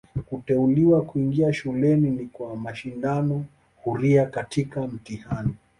Kuteuliwa kuingia shuleni ni kwa mashindano huria katika mtihani.